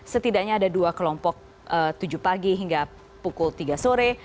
setidaknya ada dua kelompok tujuh pagi hingga pukul tiga sore